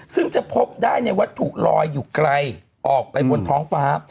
ซึ่งจะพบได้ในวัตถุลอยอยู่ไกลออกไปบนท้องฟ้า